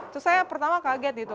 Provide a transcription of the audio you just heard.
terus saya pertama kaget gitu